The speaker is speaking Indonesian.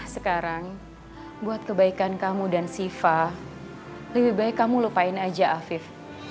sekarang buat kebaikan kamu dan siva lebih baik kamu lupain aja afif